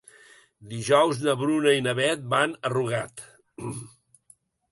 Dijous na Bruna i na Beth van a Rugat.